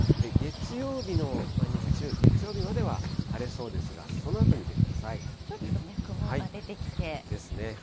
月曜日の日中、月曜日までは晴れそうですが、そのあと見てくださちょっとね、曇りが出てきて。ですね。